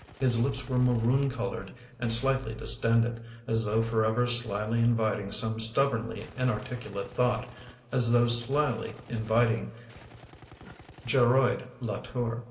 His lips were maroon colored and slightly distended, as though forever slyly inviting some stubbornly inarticulate thought — as though slyly in viting Geroid Latour.